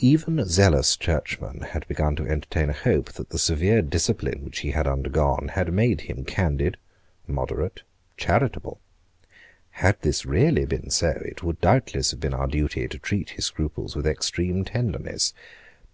Even zealous churchmen had begun to entertain a hope that the severe discipline which he had undergone had made him candid, moderate, charitable. Had this been really so, it would doubtless have been our duty to treat his scruples with extreme tenderness.